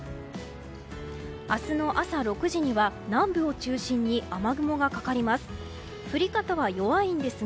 明日の朝６時には南部を中心に雨雲がかかります。